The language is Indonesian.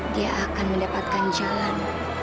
dia akan mendapatkan jalan